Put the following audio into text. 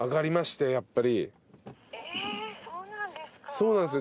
そうなんですよ。